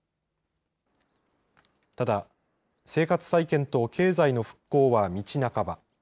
ただ、生活再建と経済の復興は道半ば。